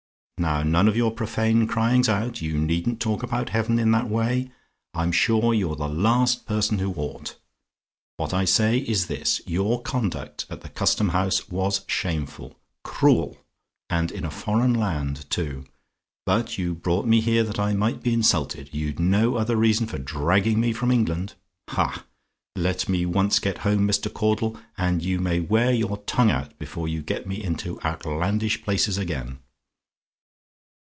"Now, none of your profane cryings out! You needn't talk about Heaven in that way: I'm sure you're the last person who ought. What I say is this. Your conduct at the Custom House was shameful cruel! And in a foreign land, too! But you brought me here that I might be insulted; you'd no other reason for dragging me from England. Ha! let me once get home, Mr. Caudle, and you may wear your tongue out before you get me into outlandish places again.